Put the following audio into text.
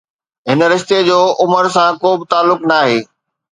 هن رشتي جو عمر سان ڪو به تعلق ناهي.